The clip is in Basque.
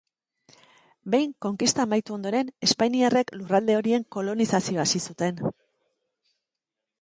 Behin konkista amaitu ondoren, espainiarrek lurralde horien kolonizazioa hasi zuten.